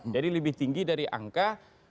jadi lebih tinggi dari angka